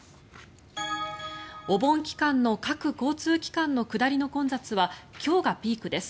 お盆期間の各交通機関の下りの混雑は今日がピークです。